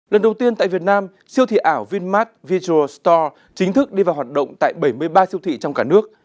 lần đầu tiên tại việt nam siêu thị ảo vinmart vitual store chính thức đi vào hoạt động tại bảy mươi ba siêu thị trong cả nước